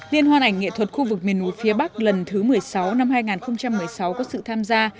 liên hoan ảnh nghệ thuật khu vực miền núi phía bắc lần thứ một mươi sáu năm hai nghìn một mươi sáu có sự tham gia